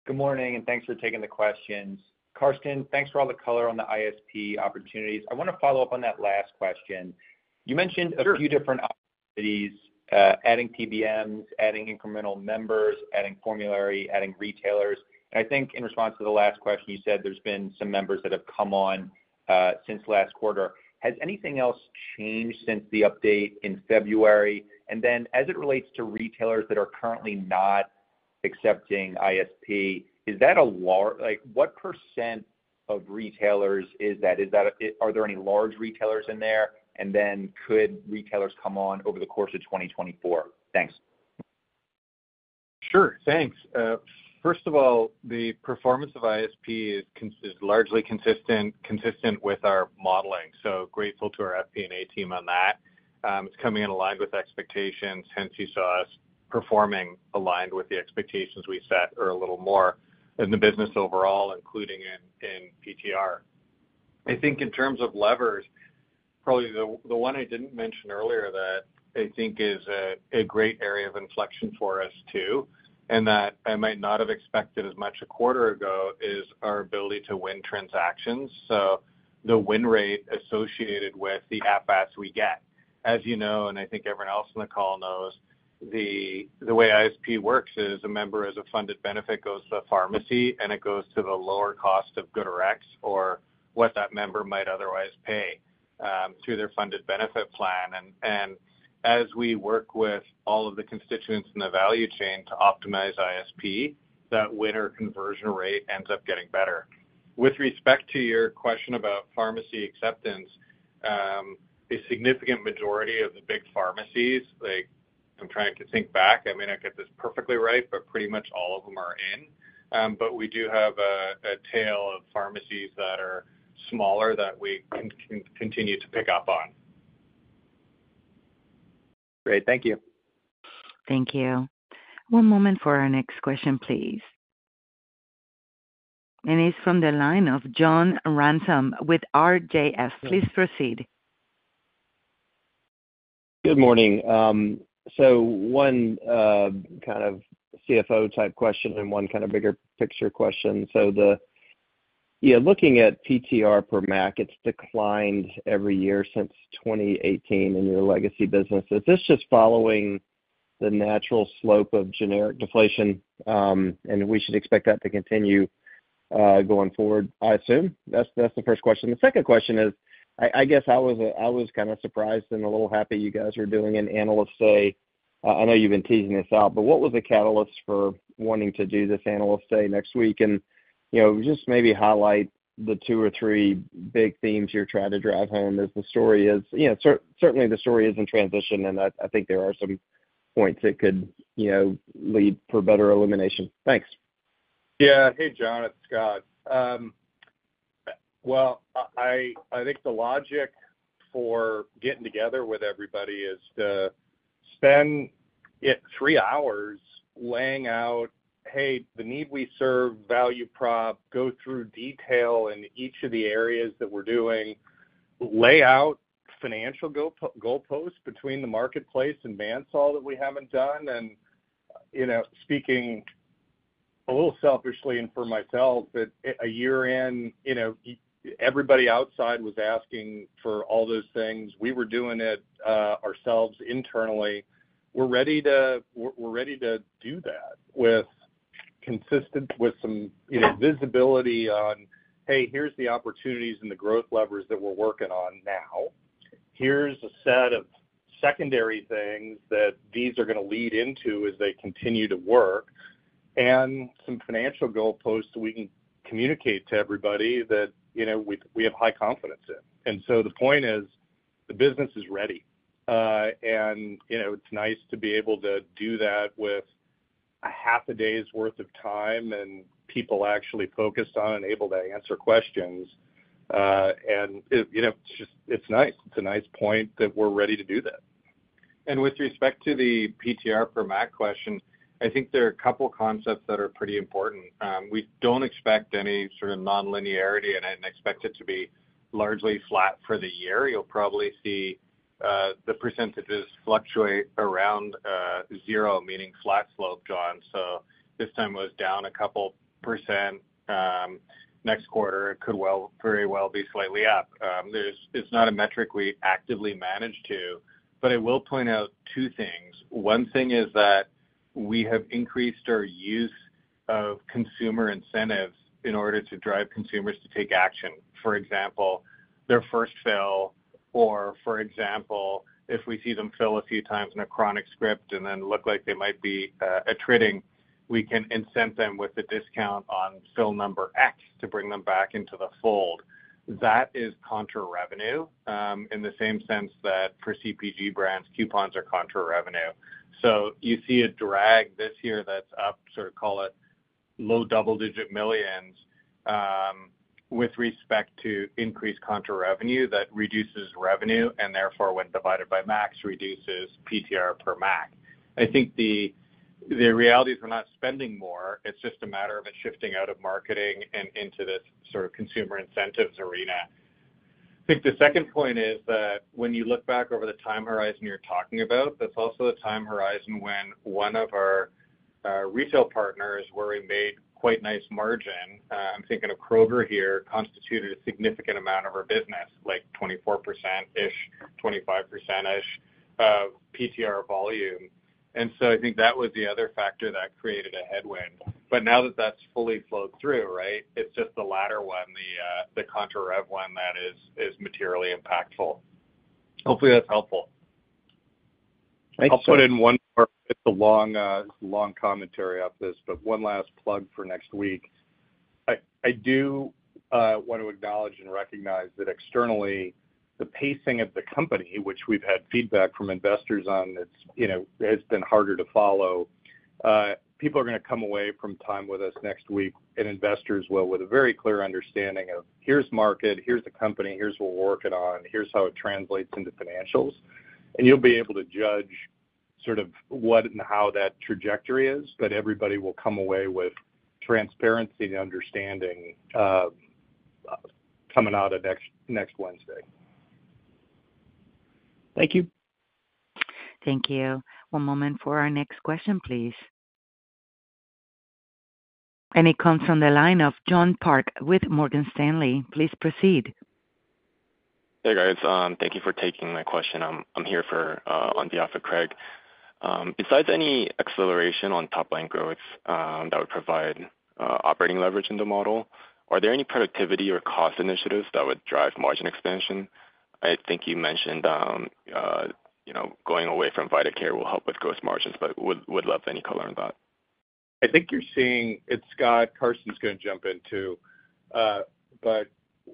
Good morning. Thanks for taking the questions. Karsten, thanks for all the color on the ISP opportunities. I want to follow up on that last question. You mentioned a few different opportunities, adding PBMs, adding incremental members, adding formulary, adding retailers. I think in response to the last question, you said there's been some members that have come on since last quarter. Has anything else changed since the update in February? Then as it relates to retailers that are currently not accepting ISP, is that what % of retailers is that? Are there any large retailers in there? Could retailers come on over the course of 2024? Thanks. Sure. Thanks. First of all, the performance of ISP is largely consistent with our modeling. So grateful to our FP&A team on that. It's coming in aligned with expectations, hence you saw us performing aligned with the expectations we set or a little more in the business overall, including in PTR. I think in terms of levers, probably the one I didn't mention earlier that I think is a great area of inflection for us too and that I might not have expected as much a quarter ago is our ability to win transactions. So the win rate associated with the FATs we get. As you know, and I think everyone else on the call knows, the way ISP works is a member as a funded benefit goes to the pharmacy, and it goes to the lower cost of GoodRx or what that member might otherwise pay through their funded benefit plan. And as we work with all of the constituents in the value chain to optimize ISP, that winner conversion rate ends up getting better. With respect to your question about pharmacy acceptance, a significant majority of the big pharmacies. I'm trying to think back. I may not get this perfectly right, but pretty much all of them are in. But we do have a tail of pharmacies that are smaller that we continue to pick up on. Great. Thank you. Thank you. One moment for our next question, please. It's from the line of John Ransom with RJFF. Please proceed. Good morning. So one kind of CFO-type question and one kind of bigger picture question. So looking at PTR per MAC, it's declined every year since 2018 in your legacy business. Is this just following the natural slope of generic deflation? And we should expect that to continue going forward, I assume. That's the first question. The second question is, I guess I was kind of surprised and a little happy you guys were doing an analyst day. I know you've been teasing this out, but what was the catalyst for wanting to do this analyst day next week? And just maybe highlight the two or three big themes you're trying to drive home as the story is certainly, the story is in transition, and I think there are some points that could lead for better illumination. Thanks. Yeah. Hey, John. It's Scott. Well, I think the logic for getting together with everybody is to spend three hours laying out, "Hey, the need we serve, value prop, go through detail in each of the areas that we're doing. Lay out financial goalposts between the marketplace and ManSol that we haven't done." And speaking a little selfishly and for myself, but a year in, everybody outside was asking for all those things. We were doing it ourselves internally. We're ready to do that with some visibility on, "Hey, here's the opportunities and the growth levers that we're working on now. Here's a set of secondary things that these are going to lead into as they continue to work, and some financial goalposts we can communicate to everybody that we have high confidence in." And so the point is, the business is ready. It's nice to be able to do that with half a day's worth of time and people actually focused on and able to answer questions. It's nice. It's a nice point that we're ready to do that. With respect to the PTR per MAC question, I think there are a couple of concepts that are pretty important. We don't expect any sort of nonlinearity and expect it to be largely flat for the year. You'll probably see the percentages fluctuate around zero, meaning flat slope, John. So this quarter was down a couple %. Next quarter it could very well be slightly up. It's not a metric we actively manage to, but I will point out two things. One thing is that we have increased our use of consumer incentives in order to drive consumers to take action. For example, their first fill, or for example, if we see them fill a few times in a chronic script and then look like they might be attriting, we can incent them with a discount on fill number X to bring them back into the fold. That is contra-revenue in the same sense that for CPG brands, coupons are contra-revenue. So you see a drag this year that's up, sort of call it low double-digit $ millions, with respect to increased contra-revenue that reduces revenue and therefore, when divided by MAC, reduces PTR per MAC. I think the reality is we're not spending more. It's just a matter of it shifting out of marketing and into this sort of consumer incentives arena. I think the second point is that when you look back over the time horizon you're talking about, that's also the time horizon when one of our retail partners where we made quite nice margin. I'm thinking of Kroger here constituted a significant amount of our business, like 24%-ish, 25%-ish of PTR volume. And so I think that was the other factor that created a headwind. But now that that's fully flowed through, right, it's just the latter one, the contra-revenue one that is materially impactful. Hopefully, that's helpful. I'll put in one more, it's a long commentary off this, but one last plug for next week. I do want to acknowledge and recognize that externally, the pacing of the company, which we've had feedback from investors on, has been harder to follow. People are going to come away from time with us next week, and investors will, with a very clear understanding of, "Here's market. Here's the company. Here's what we're working on. Here's how it translates into financials." And you'll be able to judge sort of what and how that trajectory is, but everybody will come away with transparency and understanding coming out next Wednesday. Thank you. Thank you. One moment for our next question, please. It comes from the line of John Park with Morgan Stanley. Please proceed. Hey, guys. Thank you for taking my question. I'm here on behalf of Craig. Besides any acceleration on top-line growth that would provide operating leverage in the model, are there any productivity or cost initiatives that would drive margin expansion? I think you mentioned going away from VitaCare will help with gross margins, but would love any color on that. I think you're seeing it's Scott. Karsten's going to jump in too. But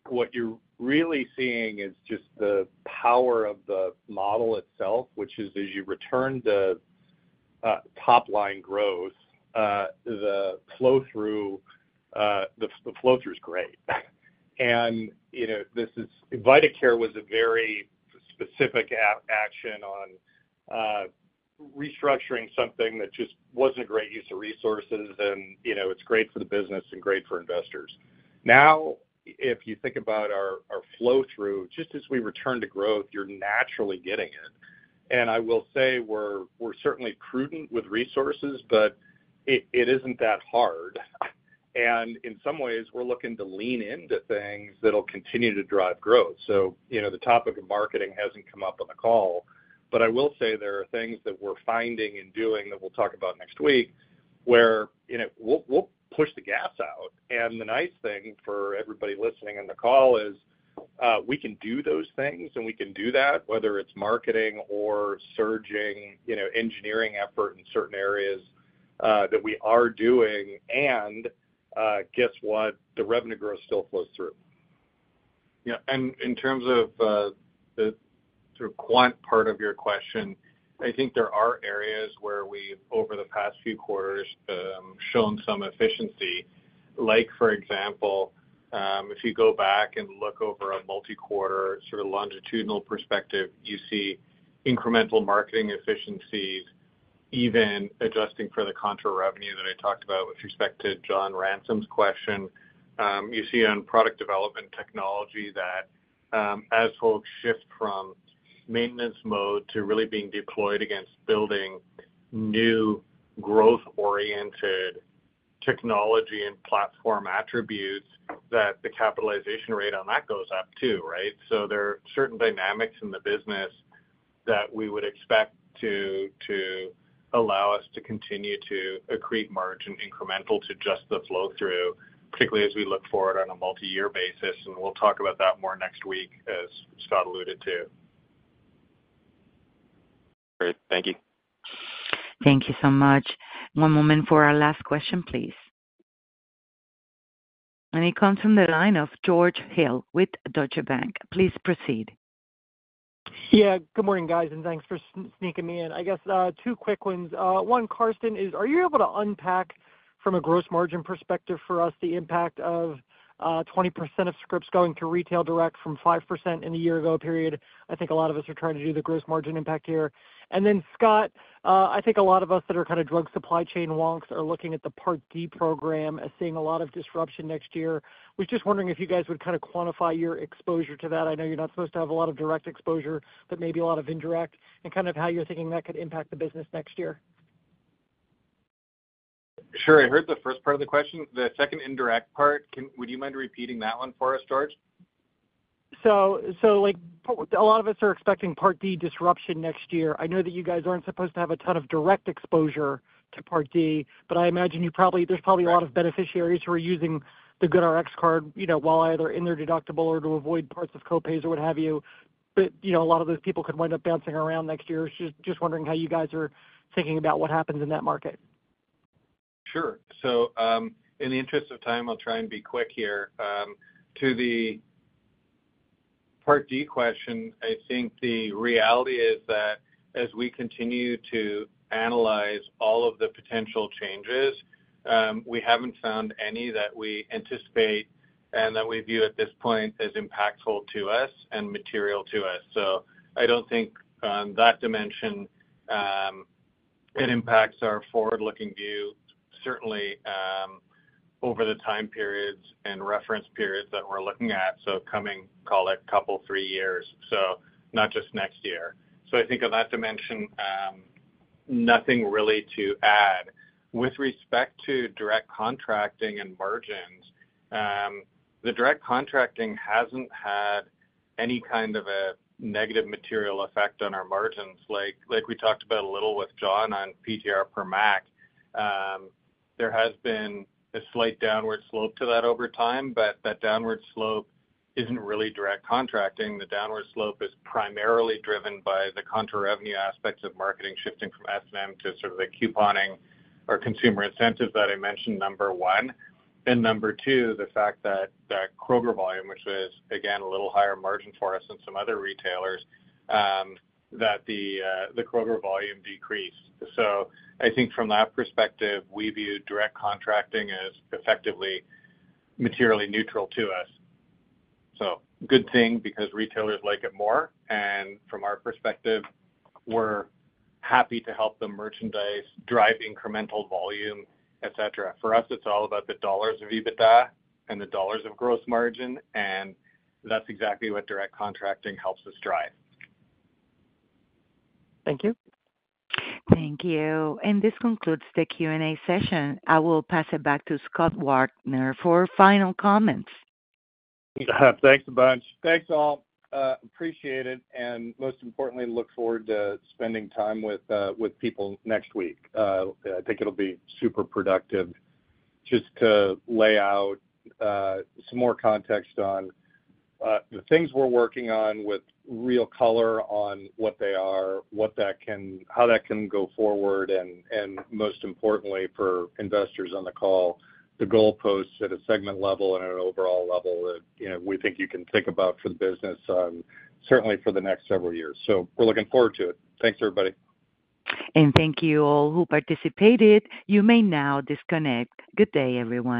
what you're really seeing is just the power of the model itself, which is as you return to top-line growth, the flow-through is great. And VitaCare was a very specific action on restructuring something that just wasn't a great use of resources. And it's great for the business and great for investors. Now, if you think about our flow-through, just as we return to growth, you're naturally getting it. And I will say we're certainly prudent with resources, but it isn't that hard. And in some ways, we're looking to lean into things that'll continue to drive growth. So the topic of marketing hasn't come up on the call. But I will say there are things that we're finding and doing that we'll talk about next week where we'll push the gas out. The nice thing for everybody listening on the call is we can do those things, and we can do that, whether it's marketing or surging engineering effort in certain areas that we are doing. And guess what? The revenue growth still flows through. Yeah. And in terms of the sort of quant part of your question, I think there are areas where we've, over the past few quarters, shown some efficiency. For example, if you go back and look over a multi-quarter sort of longitudinal perspective, you see incremental marketing efficiencies, even adjusting for the contra-revenue that I talked about with respect to John Ransom's question. You see on product development technology that as folks shift from maintenance mode to really being deployed against building new growth-oriented technology and platform attributes, that the capitalization rate on that goes up too, right? So there are certain dynamics in the business that we would expect to allow us to continue to accrete margin incremental to just the flow-through, particularly as we look forward on a multi-year basis. And we'll talk about that more next week, as Scott alluded to. Great. Thank you. Thank you so much. One moment for our last question, please. It comes from the line of George Hill with Deutsche Bank. Please proceed. Yeah. Good morning, guys, and thanks for sneaking me in. I guess two quick ones. One, Karsten, is are you able to unpack, from a gross margin perspective for us, the impact of 20% of scripts going to retail direct from 5% in a year-ago period? I think a lot of us are trying to do the gross margin impact here. And then, Scott, I think a lot of us that are kind of drug supply chain wonks are looking at the Part D program as seeing a lot of disruption next year. Was just wondering if you guys would kind of quantify your exposure to that. I know you're not supposed to have a lot of direct exposure, but maybe a lot of indirect, and kind of how you're thinking that could impact the business next year. Sure. I heard the first part of the question. The second indirect part, would you mind repeating that one for us, George? So a lot of us are expecting Part D disruption next year. I know that you guys aren't supposed to have a ton of direct exposure to Part D, but I imagine there's probably a lot of beneficiaries who are using the GoodRx card while either in their deductible or to avoid parts of copays or what have you. But a lot of those people could wind up bouncing around next year. Just wondering how you guys are thinking about what happens in that market? Sure. So in the interest of time, I'll try and be quick here. To the Part D question, I think the reality is that as we continue to analyze all of the potential changes, we haven't found any that we anticipate and that we view at this point as impactful to us and material to us. So I don't think on that dimension, it impacts our forward-looking view, certainly over the time periods and reference periods that we're looking at, so coming, call it, 2-3 years, so not just next year. So I think on that dimension, nothing really to add. With respect to direct contracting and margins, the direct contracting hasn't had any kind of a negative material effect on our margins. Like we talked about a little with John on PTR per MAC, there has been a slight downward slope to that over time, but that downward slope isn't really direct contracting. The downward slope is primarily driven by the contra-revenue aspects of marketing shifting from S&M to sort of the couponing or consumer incentives that I mentioned, number one. And number two, the fact that Kroger volume, which was, again, a little higher margin for us than some other retailers, that the Kroger volume decreased. So I think from that perspective, we view direct contracting as effectively materially neutral to us. So good thing because retailers like it more. And from our perspective, we're happy to help them merchandise, drive incremental volume, etc. For us, it's all about the dollars of EBITDA and the dollars of gross margin. And that's exactly what direct contracting helps us drive. Thank you. Thank you. This concludes the Q&A session. I will pass it back to Scott Wagner for final comments. Thanks a bunch. Thanks, all. Appreciate it. And most importantly, look forward to spending time with people next week. I think it'll be super productive just to lay out some more context on the things we're working on with real color on what they are, how that can go forward, and most importantly, for investors on the call, the goalposts at a segment level and an overall level that we think you can think about for the business, certainly for the next several years. So we're looking forward to it. Thanks, everybody. Thank you all who participated. You may now disconnect. Good day, everyone.